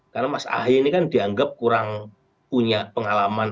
karena mas ahaye ini kan dianggap kurang punya pengalaman